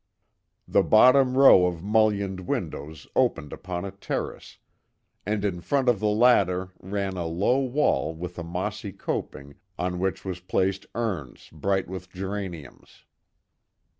The bottom row of mullioned windows opened upon a terrace, and in front of the latter ran a low wall with a mossy coping on which was placed urns bright with geraniums.